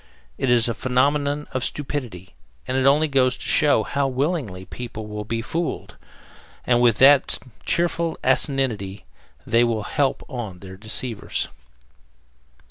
It is a phenomenon of stupidity, and it only goes to show how willingly people will be fooled, and with what cheerful asininity they will help on their deceivers.